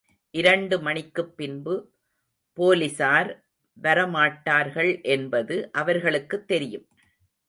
இரண்டு மணிக்குப் பின்பு போலிஸார் வரமாட்டார்கள் என்பது அவர்களுக்குத் தெரியும்.